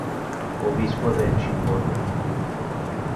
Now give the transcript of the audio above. Obispo de Chimbote.